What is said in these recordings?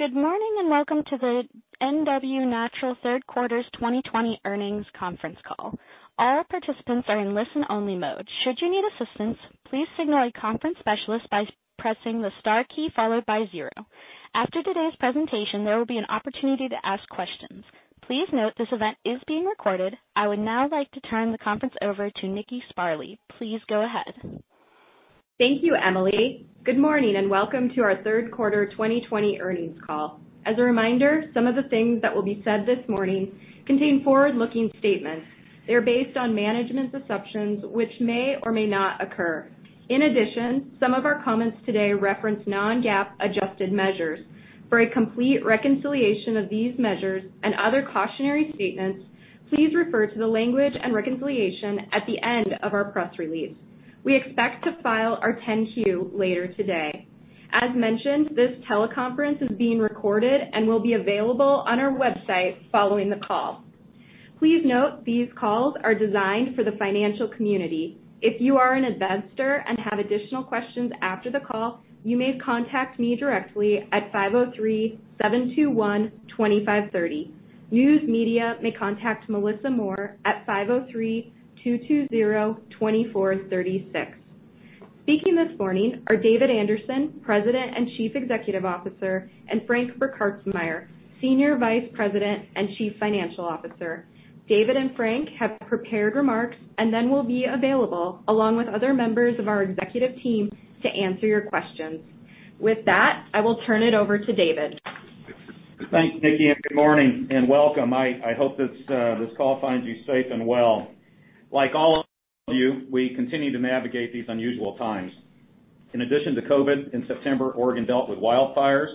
Good morning and welcome to the NW Natural Third Quarter 2020 Earnings Conference Call. All participants are in listen-only mode. Should you need assistance, please signal a conference specialist by pressing the star key followed by zero. After today's presentation, there will be an opportunity to ask questions. Please note this event is being recorded. I would now like to turn the conference over to Nikki Sparley. Please go ahead. Thank you, Emily. Good morning and welcome to our third quarter 2020 earnings call. As a reminder, some of the things that will be said this morning contain forward-looking statements. They're based on management's assumptions, which may or may not occur. In addition, some of our comments today reference non-GAAP adjusted measures. For a complete reconciliation of these measures and other cautionary statements, please refer to the language and reconciliation at the end of our press release. We expect to file our 10-Q later today. As mentioned, this teleconference is being recorded and will be available on our website following the call. Please note these calls are designed for the financial community. If you are an investor and have additional questions after the call, you may contact me directly at 503-721-2530. News media may contact Melissa Moore at 503-220-2436. Speaking this morning are David Anderson, President and Chief Executive Officer, and Frank Burkhartsmeyer, Senior Vice President and Chief Financial Officer. David and Frank have prepared remarks and then will be available along with other members of our executive team to answer your questions. With that, I will turn it over to David. Thanks, Nikki, and good morning and welcome. I hope this call finds you safe and well. Like all of you, we continue to navigate these unusual times. In addition to COVID, in September, Oregon dealt with wildfires.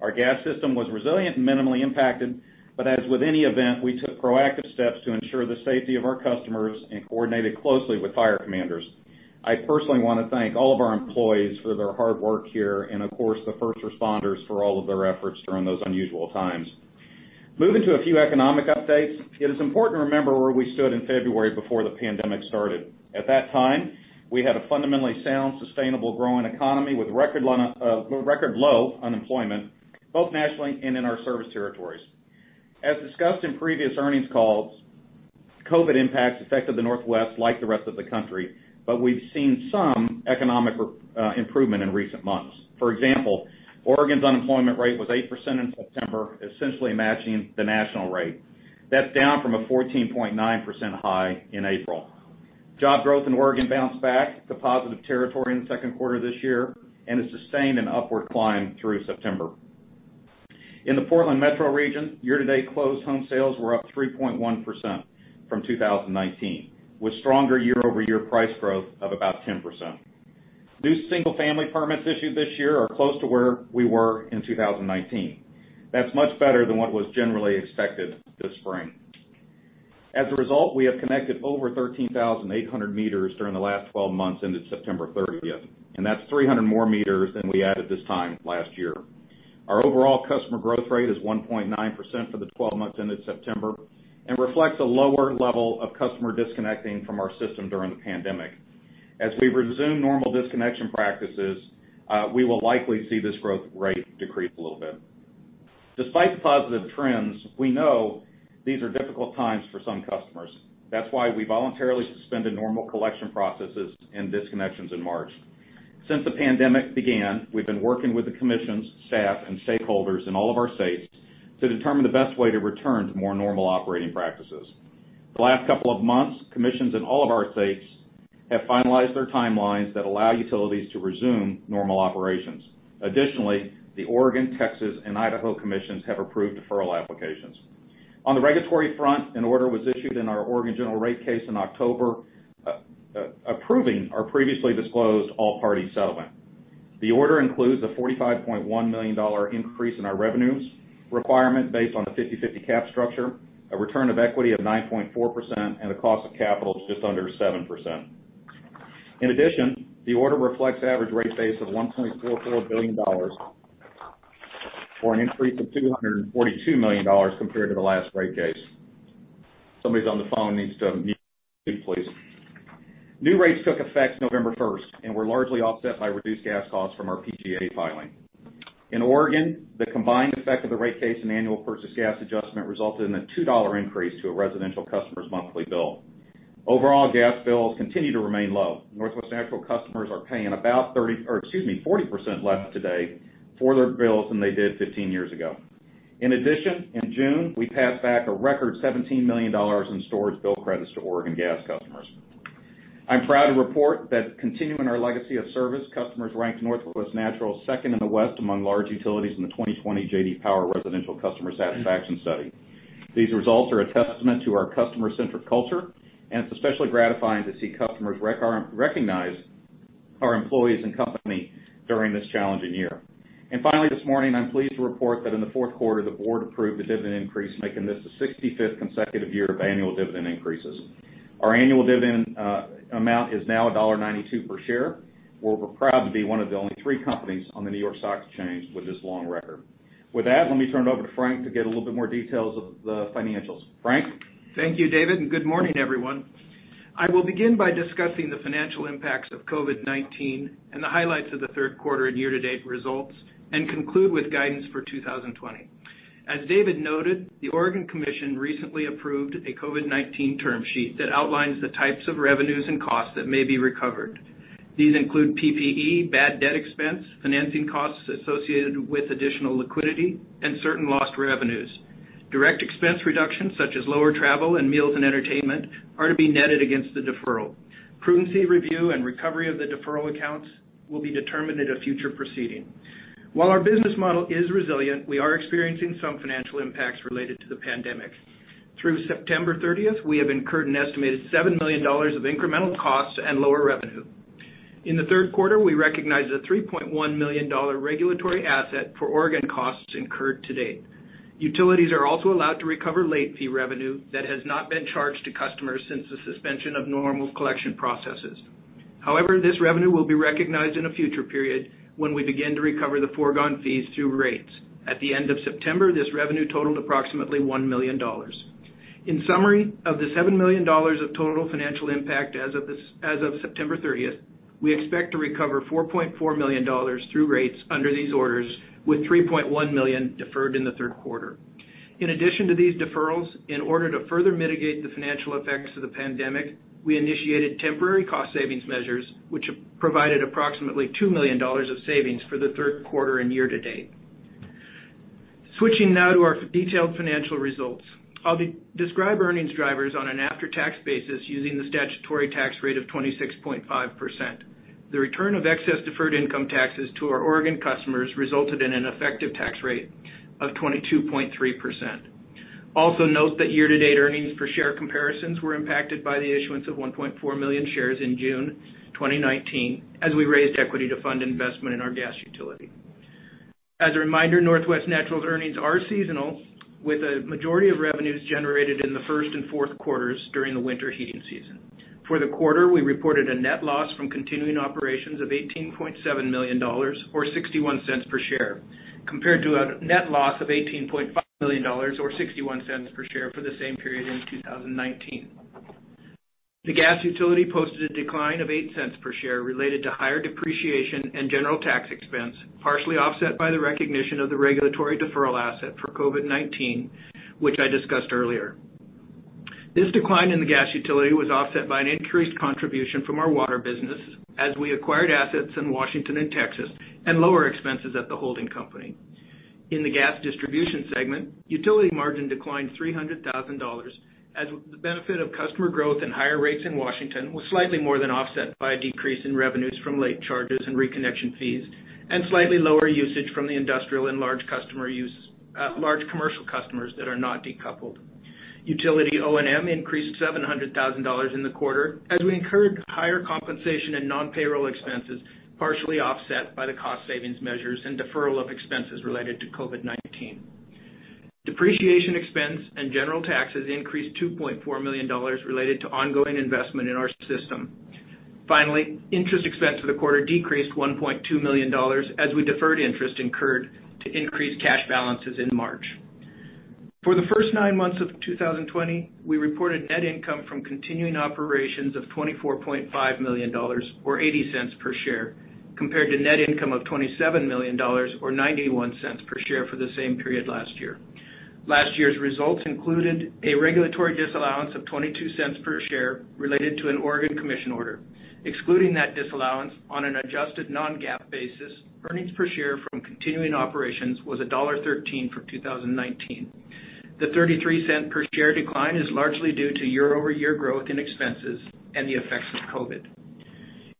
Our gas system was resilient and minimally impacted, but as with any event, we took proactive steps to ensure the safety of our customers and coordinated closely with fire commanders. I personally want to thank all of our employees for their hard work here and, of course, the first responders for all of their efforts during those unusual times. Moving to a few economic updates, it is important to remember where we stood in February before the pandemic started. At that time, we had a fundamentally sound, sustainable, growing economy with record-low unemployment, both nationally and in our service territories. As discussed in previous earnings calls, COVID impacts affected the Northwest like the rest of the country, but we've seen some economic improvement in recent months. For example, Oregon's unemployment rate was 8% in September, essentially matching the national rate. That's down from a 14.9% high in April. Job growth in Oregon bounced back to positive territory in the second quarter of this year and has sustained an upward climb through September. In the Portland metro region, year-to-date closed home sales were up 3.1% from 2019, with stronger year-over-year price growth of about 10%. New single-family permits issued this year are close to where we were in 2019. That's much better than what was generally expected this spring. As a result, we have connected over 13,800 meters during the last 12 months ended September 30th, and that's 300 more meters than we added this time last year. Our overall customer growth rate is 1.9% for the 12 months ended September and reflects a lower level of customers disconnecting from our system during the pandemic. As we resume normal disconnection practices, we will likely see this growth rate decrease a little bit. Despite the positive trends, we know these are difficult times for some customers. That's why we voluntarily suspended normal collection processes and disconnections in March. Since the pandemic began, we've been working with the commissions, staff, and stakeholders in all of our states to determine the best way to return to more normal operating practices. The last couple of months, commissions in all of our states have finalized their timelines that allow utilities to resume normal operations. Additionally, the Oregon, Texas, and Idaho commissions have approved deferral applications. On the regulatory front, an order was issued in our Oregon general rate case in October approving our previously disclosed all-party settlement. The order includes a $45.1 million increase in our revenues requirement based on the 50/50 cap structure, a return of equity of 9.4%, and a cost of capital just under 7%. In addition, the order reflects average rate base of $1.44 billion for an increase of $242 million compared to the last rate case. Somebody's on the phone needs to mute, please. New rates took effect November 1st and were largely offset by reduced gas costs from our PGA filing. In Oregon, the combined effect of the rate case and annual purchase gas adjustment resulted in a $2 increase to a residential customer's monthly bill. Overall, gas bills continue to remain low. Northwest Natural customers are paying about 30% or, excuse me, 40% less today for their bills than they did 15 years ago. In addition, in June, we passed back a record $17 million in storage bill credits to Oregon gas customers. I'm proud to report that continuing our legacy of service, customers ranked Northwest Natural second in the West among large utilities in the 2020 J.D. Power residential customer satisfaction study. These results are a testament to our customer-centric culture, and it's especially gratifying to see customers recognize our employees and company during this challenging year. Finally, this morning, I'm pleased to report that in the fourth quarter, the board approved the dividend increase, making this the 65th consecutive year of annual dividend increases. Our annual dividend amount is now $1.92 per share. We're proud to be one of the only three companies on the New York Stock Exchange with this long record. With that, let me turn it over to Frank to get a little bit more details of the financials. Frank? Thank you, David, and good morning, everyone. I will begin by discussing the financial impacts of COVID-19 and the highlights of the third quarter and year-to-date results and conclude with guidance for 2020. As David noted, the Oregon commission recently approved a COVID-19 term sheet that outlines the types of revenues and costs that may be recovered. These include PPE, bad debt expense, financing costs associated with additional liquidity, and certain lost revenues. Direct expense reductions, such as lower travel and meals and entertainment, are to be netted against the deferral. Prudency review and recovery of the deferral accounts will be determined in a future proceeding. While our business model is resilient, we are experiencing some financial impacts related to the pandemic. Through September 30th, we have incurred an estimated $7 million of incremental costs and lower revenue. In the third quarter, we recognize a $3.1 million regulatory asset for Oregon costs incurred to date. Utilities are also allowed to recover late fee revenue that has not been charged to customers since the suspension of normal collection processes. However, this revenue will be recognized in a future period when we begin to recover the foregone fees through rates. At the end of September, this revenue totaled approximately $1 million. In summary, of the $7 million of total financial impact as of September 30th, we expect to recover $4.4 million through rates under these orders, with $3.1 million deferred in the third quarter. In addition to these deferrals, in order to further mitigate the financial effects of the pandemic, we initiated temporary cost savings measures, which provided approximately $2 million of savings for the third quarter and year-to-date. Switching now to our detailed financial results, I'll describe earnings drivers on an after-tax basis using the statutory tax rate of 26.5%. The return of excess deferred income taxes to our Oregon customers resulted in an effective tax rate of 22.3%. Also note that year-to-date earnings per share comparisons were impacted by the issuance of $1.4 million shares in June 2019 as we raised equity to fund investment in our gas utility. As a reminder, Northwest Natural's earnings are seasonal, with a majority of revenues generated in the first and fourth quarters during the winter heating season. For the quarter, we reported a net loss from continuing operations of $18.7 million or $0.61 per share, compared to a net loss of $18.5 million or $0.61 per share for the same period in 2019. The gas utility posted a decline of $0.08 per share related to higher depreciation and general tax expense, partially offset by the recognition of the regulatory deferral asset for COVID-19, which I discussed earlier. This decline in the gas utility was offset by an increased contribution from our water business as we acquired assets in Washington and Texas and lower expenses at the holding company. In the gas distribution segment, utility margin declined $300,000, as the benefit of customer growth and higher rates in Washington was slightly more than offset by a decrease in revenues from late charges and reconnection fees and slightly lower usage from the industrial and large commercial customers that are not decoupled. Utility O&M increased $700,000 in the quarter as we incurred higher compensation and non-payroll expenses, partially offset by the cost savings measures and deferral of expenses related to COVID-19. Depreciation expense and general taxes increased $2.4 million related to ongoing investment in our system. Finally, interest expense for the quarter decreased $1.2 million as we deferred interest incurred to increase cash balances in March. For the first nine months of 2020, we reported net income from continuing operations of $24.5 million or $0.80 per share, compared to net income of $27 million or $0.91 per share for the same period last year. Last year's results included a regulatory disallowance of $0.22 per share related to an Oregon commission order. Excluding that disallowance, on an adjusted non-GAAP basis, earnings per share from continuing operations was $1.13 for 2019. The $0.33 per share decline is largely due to year-over-year growth in expenses and the effects of COVID.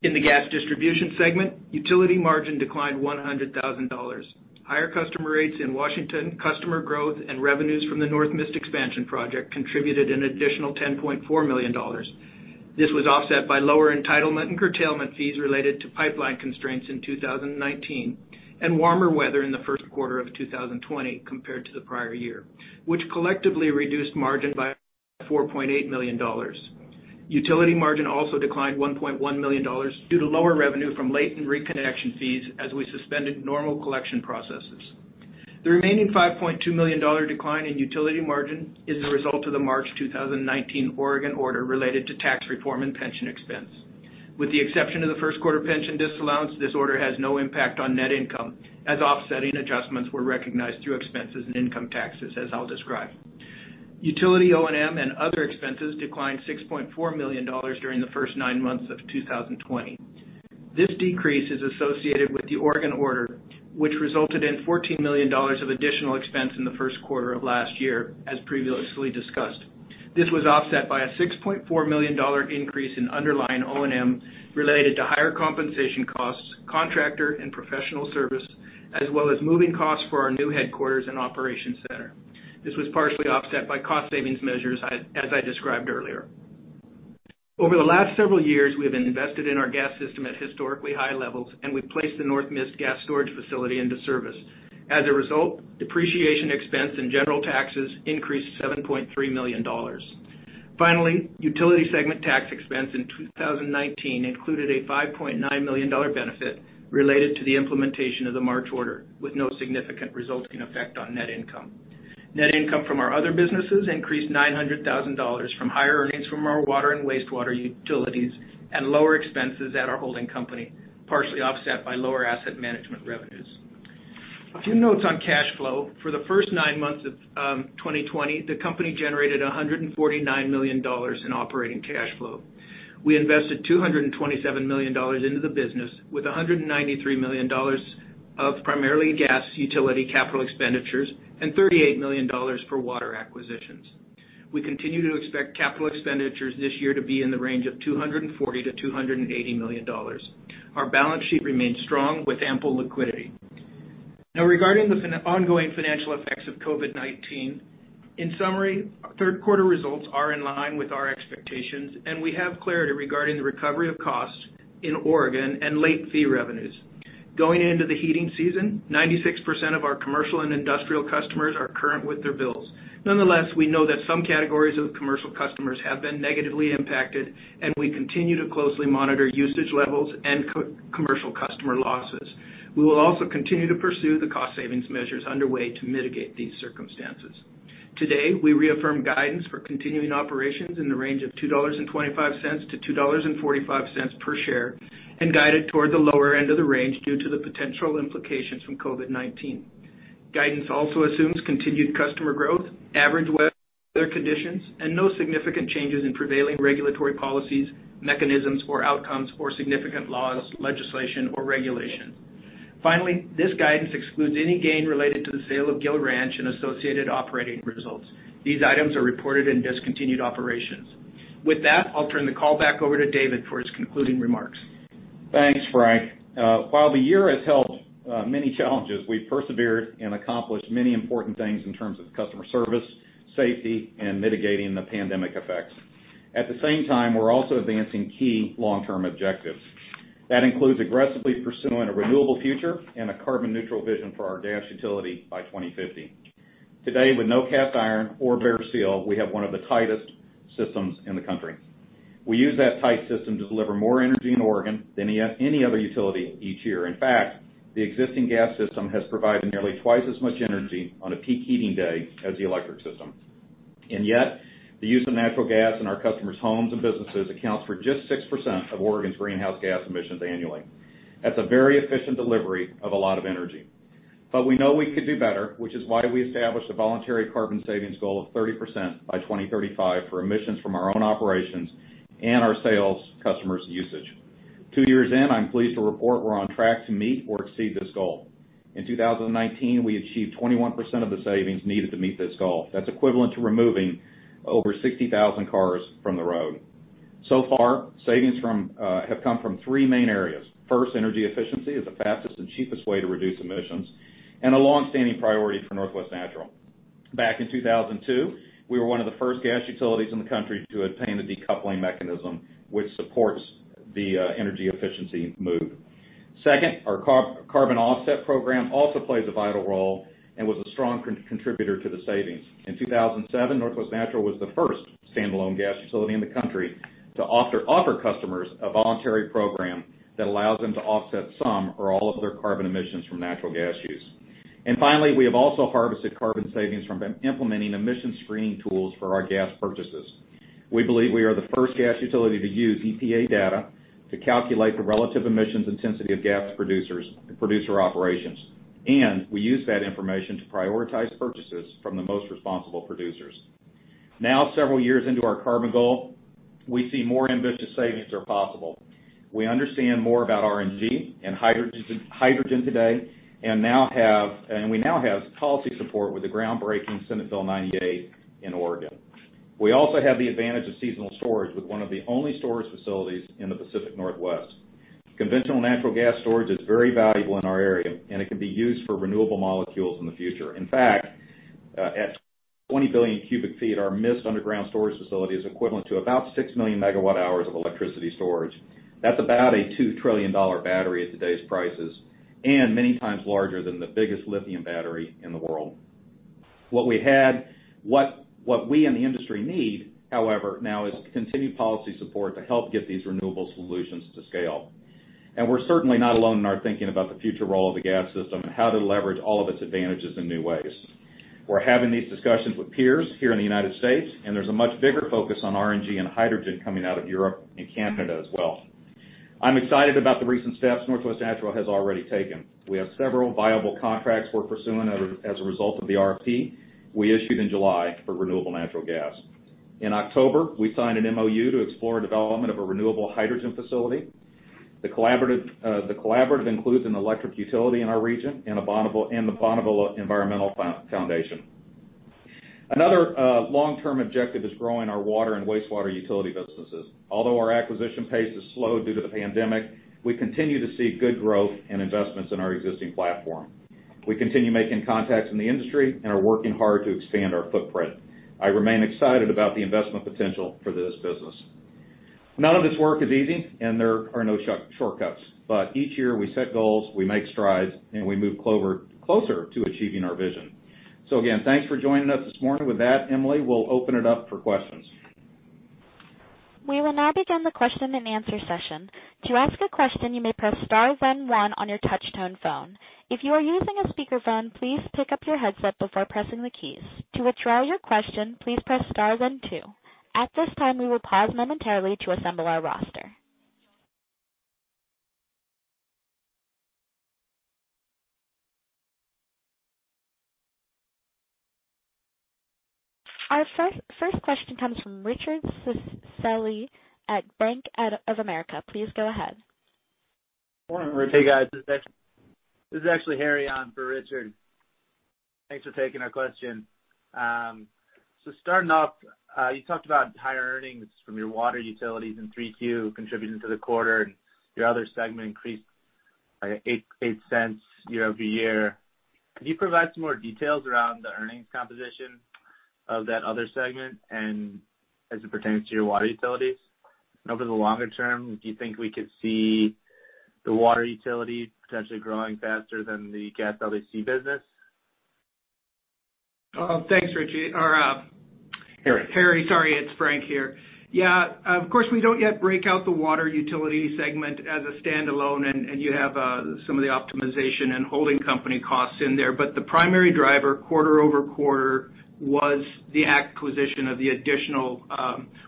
In the gas distribution segment, utility margin declined $100,000. Higher customer rates in Washington, customer growth, and revenues from the North Mist Expansion Project contributed an additional $10.4 million. This was offset by lower entitlement and curtailment fees related to pipeline constraints in 2019 and warmer weather in the first quarter of 2020 compared to the prior year, which collectively reduced margin by $4.8 million. Utility margin also declined $1.1 million due to lower revenue from late and reconnection fees as we suspended normal collection processes. The remaining $5.2 million decline in utility margin is the result of the March 2019 Oregon order related to tax reform and pension expense. With the exception of the first quarter pension disallowance, this order has no impact on net income, as offsetting adjustments were recognized through expenses and income taxes, as I'll describe. Utility O&M and other expenses declined $6.4 million during the first nine months of 2020. This decrease is associated with the Oregon order, which resulted in $14 million of additional expense in the first quarter of last year, as previously discussed. This was offset by a $6.4 million increase in underlying O&M related to higher compensation costs, contractor and professional service, as well as moving costs for our new headquarters and operations center. This was partially offset by cost savings measures, as I described earlier. Over the last several years, we have invested in our gas system at historically high levels, and we've placed the North Mist gas storage facility into service. As a result, depreciation expense and general taxes increased $7.3 million. Finally, utility segment tax expense in 2019 included a $5.9 million benefit related to the implementation of the March order, with no significant resulting effect on net income. Net income from our other businesses increased $900,000 from higher earnings from our water and wastewater utilities and lower expenses at our holding company, partially offset by lower asset management revenues. A few notes on cash flow. For the first nine months of 2020, the company generated $149 million in operating cash flow. We invested $227 million into the business, with $193 million of primarily gas utility capital expenditures and $38 million for water acquisitions. We continue to expect capital expenditures this year to be in the range of $240 million-$280 million. Our balance sheet remains strong with ample liquidity. Now, regarding the ongoing financial effects of COVID-19, in summary, third quarter results are in line with our expectations, and we have clarity regarding the recovery of costs in Oregon and late fee revenues. Going into the heating season, 96% of our commercial and industrial customers are current with their bills. Nonetheless, we know that some categories of commercial customers have been negatively impacted, and we continue to closely monitor usage levels and commercial customer losses. We will also continue to pursue the cost savings measures underway to mitigate these circumstances. Today, we reaffirm guidance for continuing operations in the range of $2.25-$2.45 per share and guided toward the lower end of the range due to the potential implications from COVID-19. Guidance also assumes continued customer growth, average weather conditions, and no significant changes in prevailing regulatory policies, mechanisms, or outcomes or significant laws, legislation, or regulations. Finally, this guidance excludes any gain related to the sale of Gill Ranch and associated operating results. These items are reported in discontinued operations. With that, I'll turn the call back over to David for his concluding remarks. Thanks, Frank. While the year has held many challenges, we've persevered and accomplished many important things in terms of customer service, safety, and mitigating the pandemic effects. At the same time, we're also advancing key long-term objectives. That includes aggressively pursuing a renewable future and a carbon-neutral vision for our gas utility by 2050. Today, with no cast iron or bare steel, we have one of the tightest systems in the country. We use that tight system to deliver more energy in Oregon than any other utility each year. In fact, the existing gas system has provided nearly twice as much energy on a peak heating day as the electric system. Yet, the use of natural gas in our customers' homes and businesses accounts for just 6% of Oregon's greenhouse gas emissions annually. That's a very efficient delivery of a lot of energy. We know we could do better, which is why we established a voluntary carbon savings goal of 30% by 2035 for emissions from our own operations and our sales customers' usage. Two years in, I'm pleased to report we're on track to meet or exceed this goal. In 2019, we achieved 21% of the savings needed to meet this goal. That's equivalent to removing over 60,000 cars from the road. So far, savings have come from three main areas. First, energy efficiency is the fastest and cheapest way to reduce emissions, and a long-standing priority for Northwest Natural. Back in 2002, we were one of the first gas utilities in the country to obtain a decoupling mechanism, which supports the energy efficiency move. Second, our carbon offset program also plays a vital role and was a strong contributor to the savings. In 2007, Northwest Natural was the first standalone gas utility in the country to offer customers a voluntary program that allows them to offset some or all of their carbon emissions from natural gas use. Finally, we have also harvested carbon savings from implementing emission screening tools for our gas purchases. We believe we are the first gas utility to use EPA data to calculate the relative emissions intensity of gas producer operations. We use that information to prioritize purchases from the most responsible producers. Now, several years into our carbon goal, we see more ambitious savings are possible. We understand more about RNG and hydrogen today, and we now have policy support with the groundbreaking Senate Bill 98 in Oregon. We also have the advantage of seasonal storage with one of the only storage facilities in the Pacific Northwest. Conventional natural gas storage is very valuable in our area, and it can be used for renewable molecules in the future. In fact, at 20 billion cu ft, our Mist underground storage facility is equivalent to about 6 million megawatt hours of electricity storage. That is about a $2 trillion battery at today's prices and many times larger than the biggest lithium battery in the world. What we in the industry need, however, now is continued policy support to help get these renewable solutions to scale. We are certainly not alone in our thinking about the future role of the gas system and how to leverage all of its advantages in new ways. We are having these discussions with peers here in the United States, and there is a much bigger focus on RNG and hydrogen coming out of Europe and Canada as well. I'm excited about the recent steps Northwest Natural has already taken. We have several viable contracts we're pursuing as a result of the RFP we issued in July for renewable natural gas. In October, we signed an MOU to explore development of a renewable hydrogen facility. The collaborative includes an electric utility in our region and the Bonneville Environmental Foundation. Another long-term objective is growing our water and wastewater utility businesses. Although our acquisition pace is slow due to the pandemic, we continue to see good growth and investments in our existing platform. We continue making contacts in the industry and are working hard to expand our footprint. I remain excited about the investment potential for this business. None of this work is easy, and there are no shortcuts. Each year we set goals, we make strides, and we move closer to achieving our vision. Again, thanks for joining us this morning. With that, Emily, we'll open it up for questions. We will now begin the question and answer session. To ask a question, you may press star then one on your touch-tone phone. If you are using a speakerphone, please pick up your headset before pressing the keys. To withdraw your question, please press star then two. At this time, we will pause momentarily to assemble our roster. Our first question comes from Richard Selly at Bank of America. Please go ahead. Morning, Richard. Hey, guys. This is actually Harry on for Richard. Thanks for taking our question. Starting off, you talked about higher earnings from your water utilities and 3Q contributing to the quarter, and your other segment increased by $0.08 year-over-year. Can you provide some more details around the earnings composition of that other segment and as it pertains to your water utilities? Over the longer term, do you think we could see the water utility potentially growing faster than the gas LDC business? Thanks, Richard. Harry. Harry, sorry, it's Frank here. Yeah, of course, we don't yet break out the water utility segment as a standalone, and you have some of the optimization and holding company costs in there. The primary driver quarter over quarter was the acquisition of the additional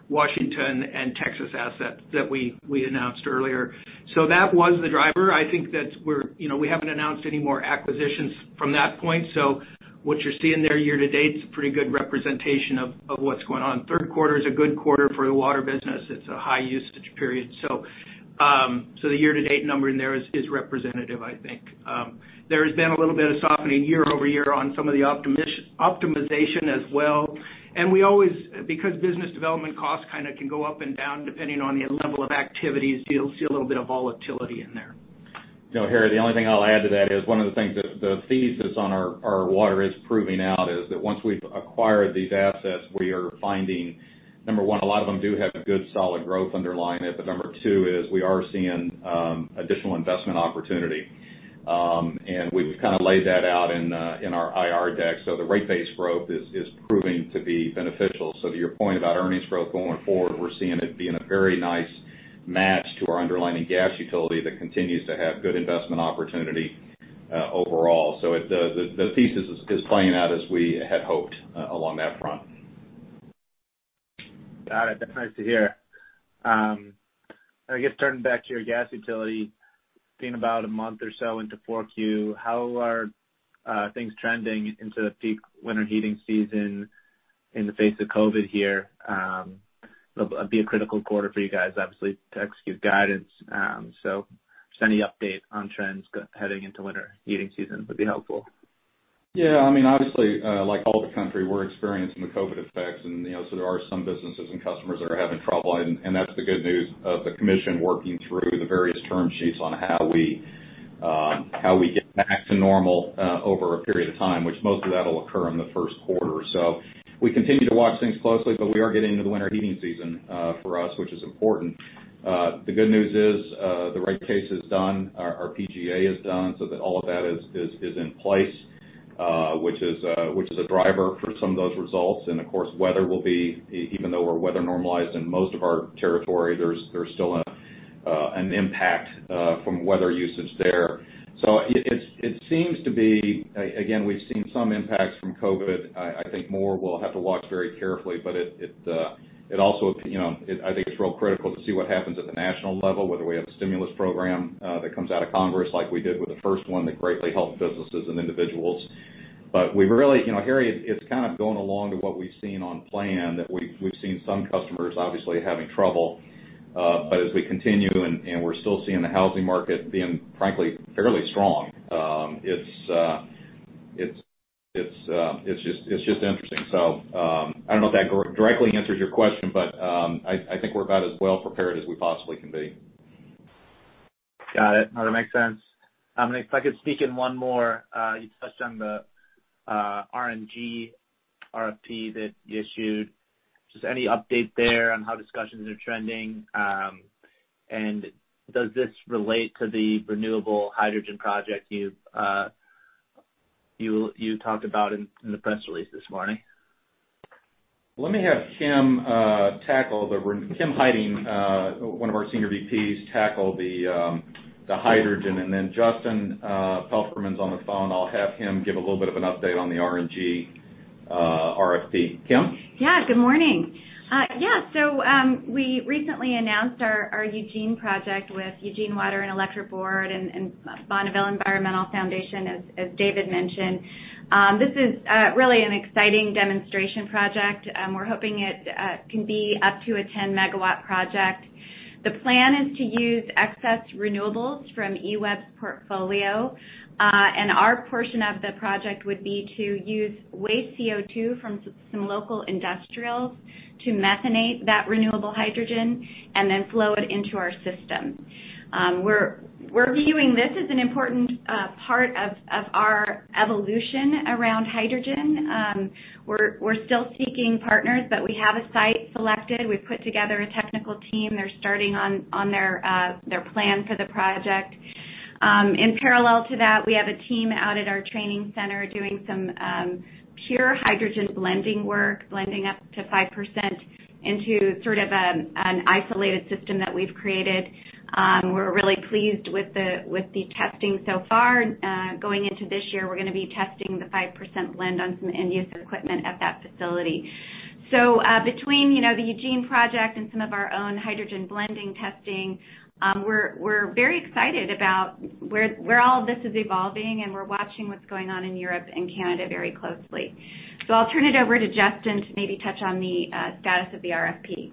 Washington and Texas assets that we announced earlier. That was the driver. I think that we haven't announced any more acquisitions from that point. What you're seeing there year to date is a pretty good representation of what's going on. Third quarter is a good quarter for the water business. It's a high usage period. The year-to-date number in there is representative, I think. There has been a little bit of softening year over year on some of the optimization as well. Because business development costs kind of can go up and down depending on the level of activities, you'll see a little bit of volatility in there. Harry, the only thing I'll add to that is one of the things that the thesis on our water is proving out is that once we've acquired these assets, we are finding, number one, a lot of them do have good solid growth underlying it. Number two is we are seeing additional investment opportunity. We've kind of laid that out in our IR deck. The rate-based growth is proving to be beneficial. To your point about earnings growth going forward, we're seeing it be in a very nice match to our underlying gas utility that continues to have good investment opportunity overall. The thesis is playing out as we had hoped along that front. Got it. That's nice to hear. I guess turning back to your gas utility, being about a month or so into 4Q, how are things trending into the peak winter heating season in the face of COVID here? It'll be a critical quarter for you guys, obviously, to execute guidance. Just any update on trends heading into winter heating season would be helpful. Yeah. I mean, obviously, like all the country, we're experiencing the COVID effects. And so there are some businesses and customers that are having trouble. That's the good news of the commission working through the various term sheets on how we get back to normal over a period of time, which most of that will occur in the first quarter. We continue to watch things closely, but we are getting into the winter heating season for us, which is important. The good news is the rate case is done. Our PGA is done so that all of that is in place, which is a driver for some of those results. Of course, weather will be, even though we're weather normalized in most of our territory, there's still an impact from weather usage there. It seems to be, again, we've seen some impacts from COVID. I think more we'll have to watch very carefully. It also, I think it's real critical to see what happens at the national level, whether we have a stimulus program that comes out of Congress like we did with the first one that greatly helped businesses and individuals. Harry, it's kind of going along to what we've seen on plan that we've seen some customers obviously having trouble. As we continue and we're still seeing the housing market being, frankly, fairly strong, it's just interesting. I don't know if that directly answers your question, but I think we're about as well prepared as we possibly can be. Got it. Now, that makes sense. If I could sneak in one more, you touched on the RNG RFP that you issued. Just any update there on how discussions are trending. Does this relate to the renewable hydrogen project you talked about in the press release this morning? Let me have Kim Heiting, one of our Senior VPs, tackle the hydrogen. Then Justin Palfreyman's on the phone. I'll have him give a little bit of an update on the RNG RFP. Kim? Yeah, good morning. Yeah. We recently announced our Eugene project with Eugene Water and Electric Board and Bonneville Environmental Foundation, as David mentioned. This is really an exciting demonstration project. We're hoping it can be up to a 10 MW project. The plan is to use excess renewables from EWEB's portfolio. Our portion of the project would be to use waste CO2 from some local industrials to methanate that renewable hydrogen and then flow it into our system. We're viewing this as an important part of our evolution around hydrogen. We're still seeking partners, but we have a site selected. We've put together a technical team. They're starting on their plan for the project. In parallel to that, we have a team out at our training center doing some pure hydrogen blending work, blending up to 5% into sort of an isolated system that we've created. We're really pleased with the testing so far. Going into this year, we're going to be testing the 5% blend on some end-use equipment at that facility. Between the Eugene project and some of our own hydrogen blending testing, we're very excited about where all of this is evolving, and we're watching what's going on in Europe and Canada very closely. I'll turn it over to Justin to maybe touch on the status of the RFP.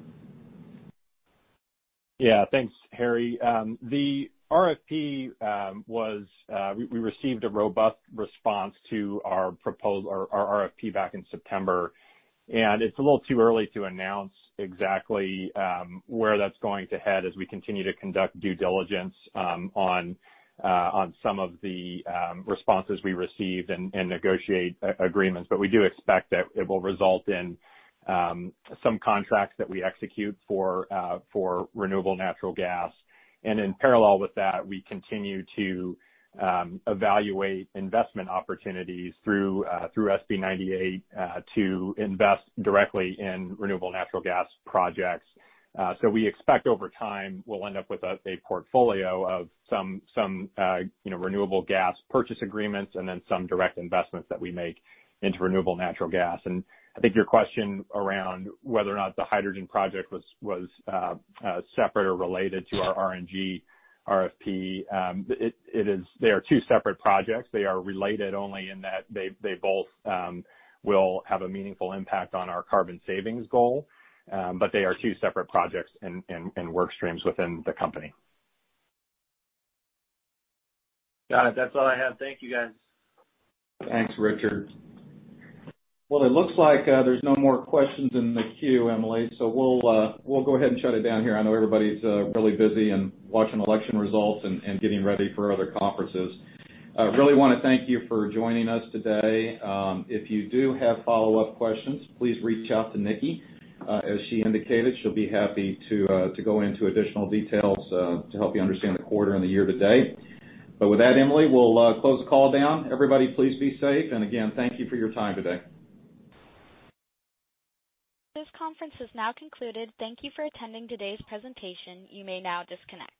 Yeah. Thanks, Harry. The RFP was we received a robust response to our RFP back in September. It's a little too early to announce exactly where that's going to head as we continue to conduct due diligence on some of the responses we receive and negotiate agreements. We do expect that it will result in some contracts that we execute for renewable natural gas. In parallel with that, we continue to evaluate investment opportunities through SB 98 to invest directly in renewable natural gas projects. We expect over time, we'll end up with a portfolio of some renewable gas purchase agreements and then some direct investments that we make into renewable natural gas. I think your question around whether or not the hydrogen project was separate or related to our RNG RFP, they are two separate projects. They are related only in that they both will have a meaningful impact on our carbon savings goal. They are two separate projects and work streams within the company. Got it. That's all I have. Thank you, guys. Thanks, Richard. It looks like there's no more questions in the queue, Emily. We'll go ahead and shut it down here. I know everybody's really busy and watching election results and getting ready for other conferences. Really want to thank you for joining us today. If you do have follow-up questions, please reach out to Nikki. As she indicated, she'll be happy to go into additional details to help you understand the quarter and the year to date. With that, Emily, we'll close the call down. Everybody, please be safe. Again, thank you for your time today. This conference has now concluded. Thank you for attending today's presentation. You may now disconnect.